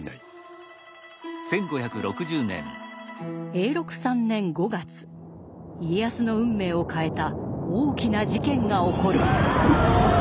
永禄３年５月家康の運命を変えた大きな事件が起こる。